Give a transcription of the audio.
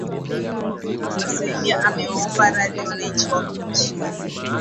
wa serbia amewaomba radhi wananchi wa croatia